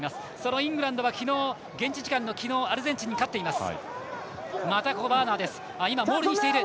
そのイングランドは現地時間の昨日アルゼンチンに勝っています。